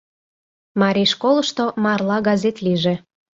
МАРИЙ ШКОЛЫШТО МАРЛА ГАЗЕТ ЛИЙЖЕ